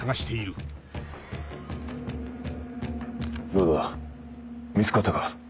どうだ見つかったか？